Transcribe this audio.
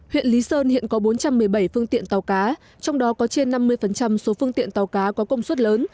huyện lý sơn hiện có bốn trăm một mươi bảy phương tiện tàu cá trong đó có trên năm mươi số phương tiện tàu cá có công suất lớn